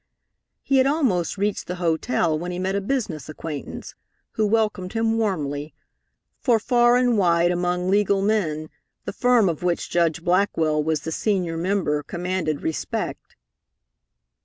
He had almost reached the hotel when he met a business acquaintance, who welcomed him warmly, for far and wide among legal men the firm of which Judge Blackwell was the senior member commanded respect.